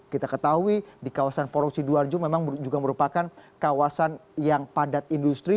kita ketahui di kawasan porong sidoarjo memang juga merupakan kawasan yang padat industri